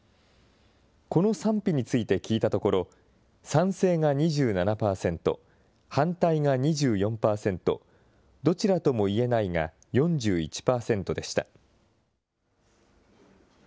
この賛否について聞いたところ、賛成が２７％、反対が２４％、どちらともいえないが４１％でした。